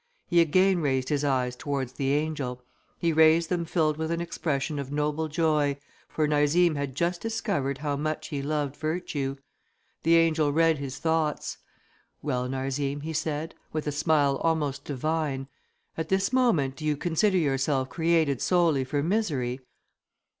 He again raised his eyes towards the angel: he raised them filled with an expression of noble joy, for Narzim had just discovered how much he loved virtue. The angel read his thoughts. "Well, Narzim," he said, with a smile almost divine, "at this moment do you consider yourself created solely for misery?"